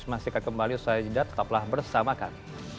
masih akan kembali bersama saya dan tetaplah bersamakan